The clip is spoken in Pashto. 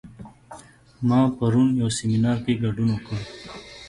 ما پرون یو سیمینار کې ګډون وکړ